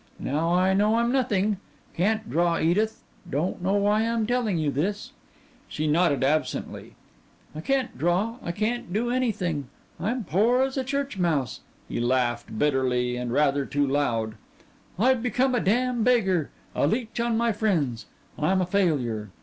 Now I know I'm nothing. Can't draw, Edith. Don't know why I'm telling you this." She nodded absently. "I can't draw, I can't do anything. I'm poor as a church mouse." He laughed, bitterly and rather too loud. "I've become a damn beggar, a leech on my friends. I'm a failure.